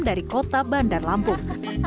dari kota bandar lampung